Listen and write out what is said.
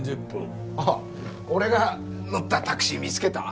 あっ俺が乗ったタクシー見つけた？